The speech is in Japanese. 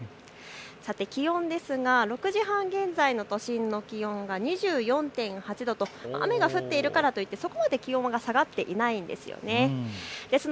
さて、気温ですが６時半現在の都心の気温が２４．８度と雨が降っているからといってそこまで気温も下がっていないんです。